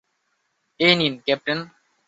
এই নিন, ক্যাপ্টেন।